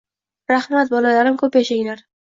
Rahmat bolalarim, ko’p yashanglar.